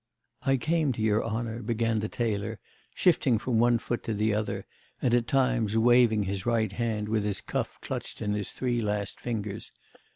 'I came to your honour,' began the tailor, shifting from one foot to the other, and at times waving his right hand with his cuff clutched in his three last fingers.